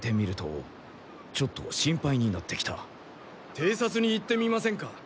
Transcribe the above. てい察に行ってみませんか？